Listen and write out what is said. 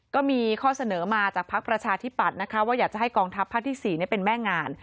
ก็มีข้อเสนอมาจากภักดิ์ประชาธิปัตย์นะคะว่าอยากจะให้กองทัพภาคที่๔เป็นแม่งาน